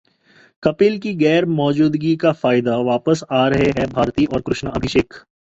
कपिल की गैरमौजूदगी का फायदा, वापस आ रहे हैं भारती और कृष्णा अभिषेक